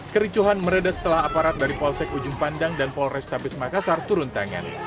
kericuhan meredah setelah aparat dari polsek ujung pandang dan polrestabes makassar turun tangan